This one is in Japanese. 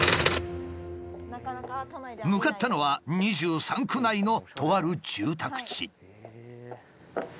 向かったのは２３区内のとある住宅地。